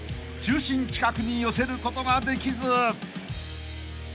中心近くに寄せることができず］